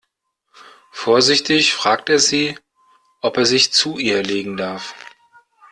Vorsichtig fragt er sie, ob er sich zu ihr legen darf.